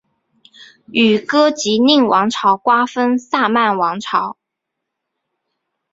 与哥疾宁王朝瓜分萨曼王朝。